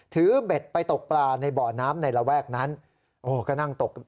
เบ็ดไปตกปลาในบ่อน้ำในระแวกนั้นโอ้ก็นั่งตก